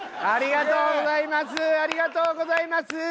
ありがとうございます！